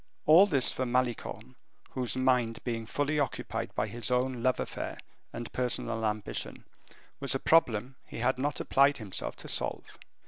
All this for Malicorne, whose mind being fully occupied by his own love affair and personal ambition, was a problem he had not applied himself to solve.